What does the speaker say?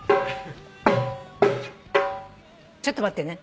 ちょっと待ってね。